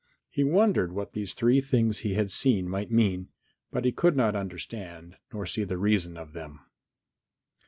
He wondered what these three things he had seen might mean, but could not understand, nor see the reason of them.